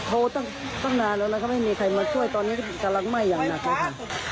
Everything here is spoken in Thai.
โทรตั้งนานแล้วนะครับไม่มีใครมาช่วยตอนนี้กำลังไหม้อย่างหนักเลยค่ะ